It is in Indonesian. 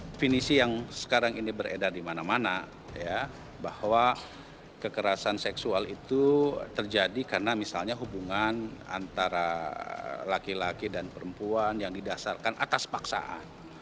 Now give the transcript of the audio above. definisi yang sekarang ini beredar di mana mana bahwa kekerasan seksual itu terjadi karena misalnya hubungan antara laki laki dan perempuan yang didasarkan atas paksaan